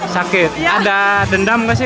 sakit ada dendam nggak sih